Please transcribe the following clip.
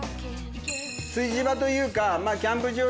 炊事場というかまぁキャンプ場。